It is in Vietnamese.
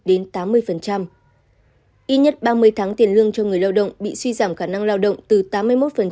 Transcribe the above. ít nhất ba mươi tháng tiền lương cho người lao động bị suy giảm khả năng lao động từ tám mươi một